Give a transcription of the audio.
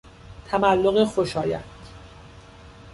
تملق خوشایند